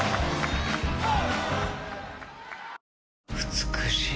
美しい。